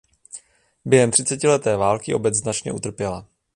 Během třicetileté války obec značně utrpěla.